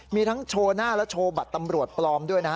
มีทั้งโชว์หน้าและโชว์บัตรตำรวจปลอมด้วยนะฮะ